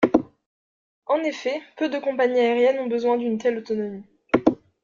En effet, peu de compagnies aériennes ont besoin d'une telle autonomie.